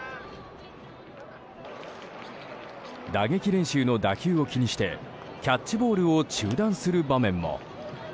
打撃練習の打球を気にしてキャッチボールを中断する場面も。